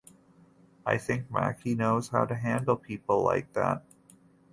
I think Mackie knows how to handle people like that.